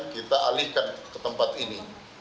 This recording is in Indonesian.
kita alihkan ke tempat ini